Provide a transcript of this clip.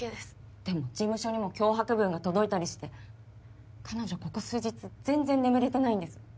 でも事務所にも脅迫文が届いたりして彼女ここ数日全然眠れてないんです。